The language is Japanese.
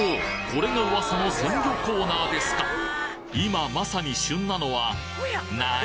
これが噂の鮮魚コーナーですか今まさに旬なのは何？